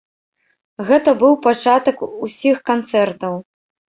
Гэта быў пачатак усіх канцэртаў!